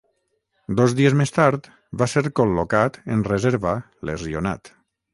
Dos dies més tard, va ser col·locat en reserva lesionat.